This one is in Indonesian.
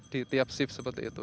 di tiap shift seperti itu